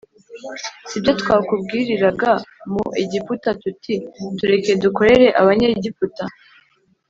si byo twakubwiriraga mu egiputa tuti: “tureke, dukorere abanyegiputa,